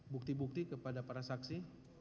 bukti bukti kepada para saksi